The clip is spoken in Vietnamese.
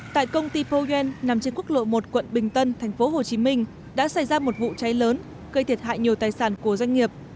tại công ty poyen nằm trên quốc lộ một quận bình tân thành phố hồ chí minh đã xảy ra một vụ cháy lớn gây thiệt hại nhiều tài sản của doanh nghiệp